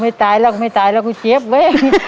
ไม่ตายไม่ตายเราจะเจ็บเว